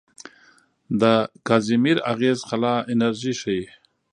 د کازیمیر اغېز خلا انرژي ښيي.